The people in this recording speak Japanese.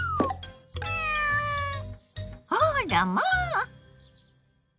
あらまあ！